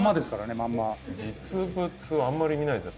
まんま実物あんまり見ないですね